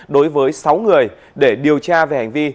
đối với sáu người để điều tra về hành vi